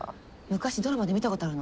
昔ドラマで見たことあるの。